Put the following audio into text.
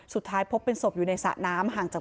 สุดท้ายพบเป็นศพอยู่ในสะน้ำ